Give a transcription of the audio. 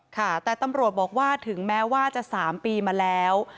ค่ะแต่ตำรวจบอกว่าถึงแม้ว่าจะ๓ปีมาแล้ว